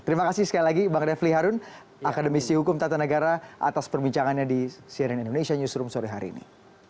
terima kasih sekali lagi bang refli harun akademisi hukum tata negara atas perbincangannya di cnn indonesia newsroom sore hari ini